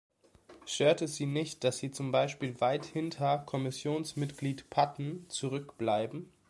Stört es Sie nicht, dass Sie zum Beispiel weit hinter Kommissionsmitglied Patten zurückbleiben?